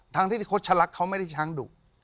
ทางที่โคชระลักษณ์เขาไม่ได้ช้างดุ